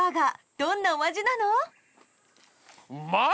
どんなお味なの？